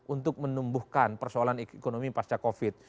untuk menumbuhkan persoalan ekonomi pasca covid